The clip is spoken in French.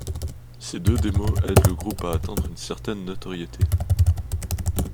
Ces deux démos aident le groupe à atteindre une certaine notoriété.